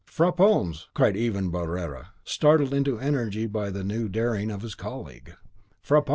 "Frappons!" cried even Barrere, startled into energy by the new daring of his colleague, "frappons!